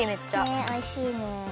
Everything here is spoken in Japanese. ねえおいしいね。